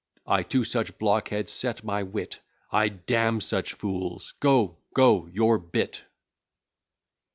I to such blockheads set my wit! I damn such fools! Go, go, you're bit."